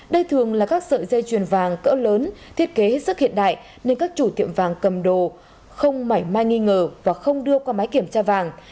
đây thường là các sợi dây chuyền vàng cỡ lớn thiết kế sức hiện đại nên các chủ tiệm vàng cầm đồ không mảy mai nghi ngờ và không đưa qua máy kiểm tra vàng